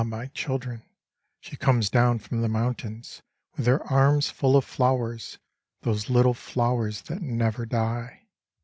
my children I she comes down from the mountains With her arms full of flowers, those little flowers that never die.